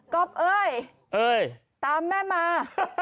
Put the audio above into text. บ๊อบเอ้ยตามแม่มา